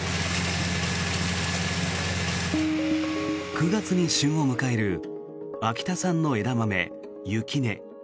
９月に旬を迎える秋田産の枝豆、雪音。